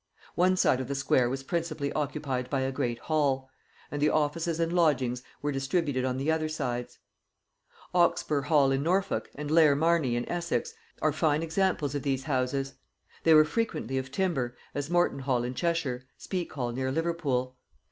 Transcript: One side of the square was principally occupied by a great hall; and the offices and lodgings were distributed on the other sides. Oxburgh hall in Norfolk and Layer Marney in Essex are fine examples of these houses. They were frequently of timber, as Moreton hall in Cheshire, Speke hall near Liverpool.